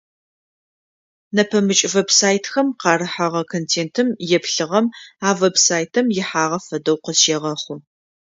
Нэпэмыкӏ веб-сайтхэм къарыхыгъэ контентым еплъыгъэм а веб-сайтым ихьагъэ фэдэу къызщегъэхъу.